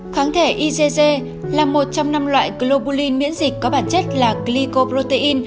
kháng thể igg là một trong năm loại globulin miễn dịch có bản chất là glycoprotein